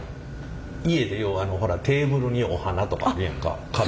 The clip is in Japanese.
家でようほらテーブルにお花とかあるやんか。